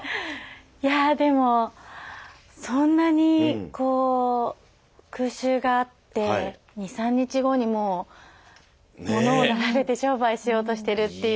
いやでもそんなにこう空襲があって２３日後にもう物を並べて商売しようとしてるっていう。